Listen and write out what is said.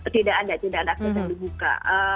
tidak ada tidak ada akses yang dibuka